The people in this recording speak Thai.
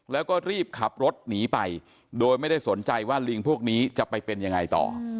แล้วก็รีบขับรถหนีไปโดยไม่ได้สนใจว่าลิงพวกนี้จะไปเป็นยังไงต่อ